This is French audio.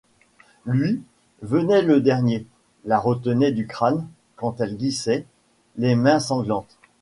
Lui, venait le dernier, la retenait du crâne, quand elle glissait, les mains sanglantes.